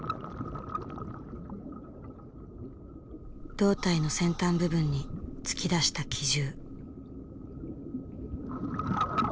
胴体の先端部分に突き出した機銃。